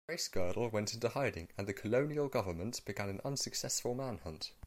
Bracegirdle went into hiding and the Colonial Government began an unsuccessful man-hunt.